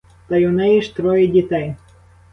Та й у неї ж троє дітей!